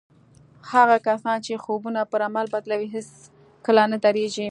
هغه کسان چې خوبونه پر عمل بدلوي هېڅکله نه درېږي.